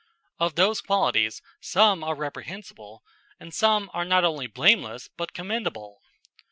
Of those qualities some are reprehensible and some are not only blameless but commendable.